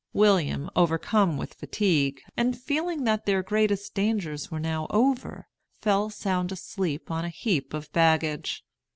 William, overcome with fatigue, and feeling that their greatest dangers were now over, fell sound asleep on a heap of baggage.